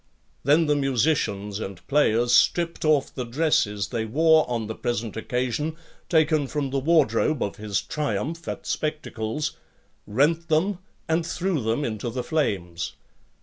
Then the musicians and players stripped off the dresses they wore on the present occasion, taken from the wardrobe of his triumph at spectacles, rent them, and threw them into the flames.